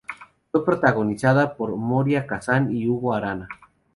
Fue protagonizada por Moria Casan y Hugo Arana.